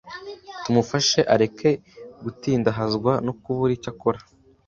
Tumufashe areke gutindahazwa no kubura icyo akora